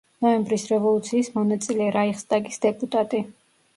ნოემბრის რევოლუციის მონაწილე, რაიხსტაგის დეპუტატი.